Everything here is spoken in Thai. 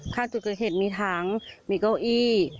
ข้างจุดเกิดเหตุมีถังมีเก้าอี้